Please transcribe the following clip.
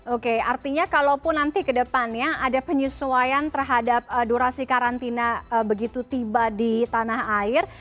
oke artinya kalaupun nanti ke depannya ada penyesuaian terhadap durasi karantina begitu tiba di tanah air